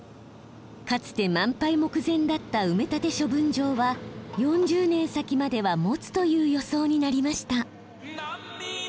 かつて満杯目前だった埋め立て処分場は４０年先まではもつという予想になりました。